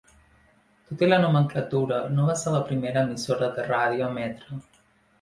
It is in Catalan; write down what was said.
Tot i la nomenclatura no va ser la primera emissora de ràdio a emetre.